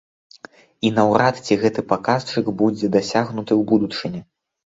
І наўрад ці гэты паказчык будзе дасягнуты ў будучыні.